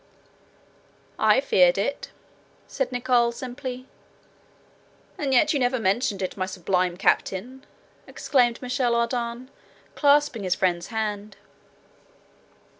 "I feared it," said Nicholl simply. "And you never mentioned it, my sublime captain," exclaimed Michel Ardan, clasping his friend's hand.